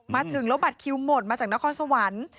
มาถึงแล้วบัตรคิวหมดมาจากนครสวรรค์